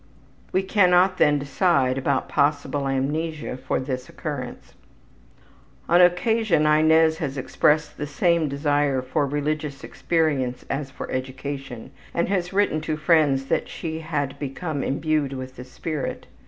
We cannot, then, decide about possible amnesia for this occurrence. On occasion Inez has expressed the same desire for religious experience as for education, and has written to friends that she had become imbued with the Spirit.